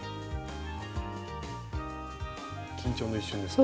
緊張の一瞬ですね。